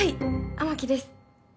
雨樹です。